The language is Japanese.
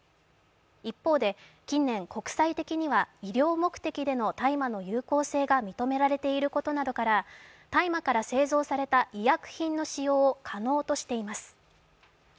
一方で、近年、国際的には医療目的での大麻の有効性が認められていることなどから大麻から製造された医薬品の使用を可能としています。